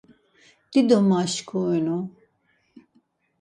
Dido maşkurinu.